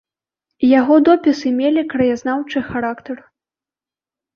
Яго допісы мелі краязнаўчы характар.